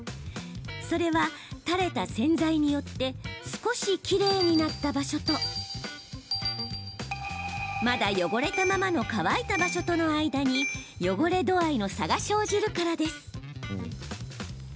それは、垂れた洗剤によって少しきれいになった場所とまだ汚れたままの乾いた場所との間に汚れ度合いの差が生じるからです。